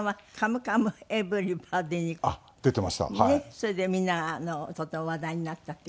それでみんながとても話題になったって。